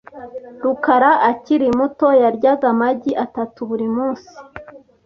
rukara akiri muto, yaryaga amagi atatu buri munsi .